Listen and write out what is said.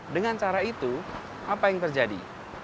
dengan cara itu apa yang terjadi